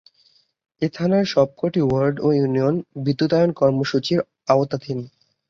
এ থানার সবক’টি ওয়ার্ড ও ইউনিয়ন বিদ্যুতায়ন কর্মসূচির আওতাধীন।